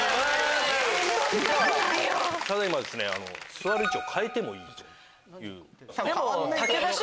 座る位置を替えてもいいという。